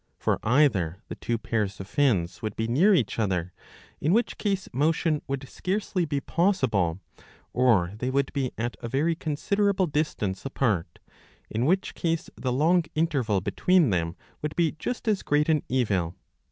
For either the two pairs of fins would be near each other, in which case motion would scarcely be possible, or they would be at a very considerable distance apart, in which case the long interval between them would be just as great an evil.